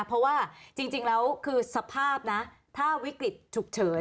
เพราะว่าจริงแล้วคือสภาพนะถ้าวิกฤตฉุกเฉิน